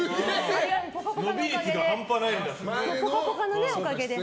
伸び率が半端ないんだって。